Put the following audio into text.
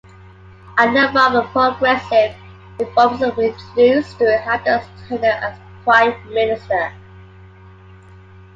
A number of progressive reforms were introduced during Hata's tenure as prime minister.